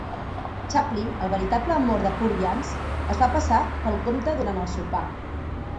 Chaplin, el veritable amor de Purviance, es fa passar pel comte durant el sopar.